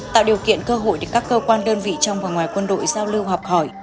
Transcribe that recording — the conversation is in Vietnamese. tạo điều kiện cơ hội để các cơ quan đơn vị trong và ngoài quân đội giao lưu học hỏi